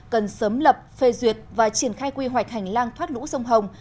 cần sớm lập phê duyệt và triển khai quy hoạch hành lang thoát lũ sông hồng